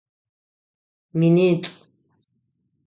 Минитӏу.